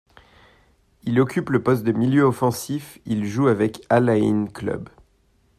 Il occupe le poste de milieu offensif, il joue avec Al Ayn Club.